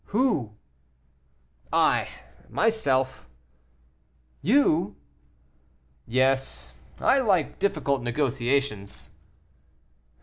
"Who?" "I, myself." "You!" "Yes, I like difficult negotiations."